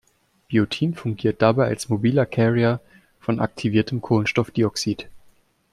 Biotin fungiert dabei als mobiler Carrier von aktiviertem Kohlenstoffdioxid.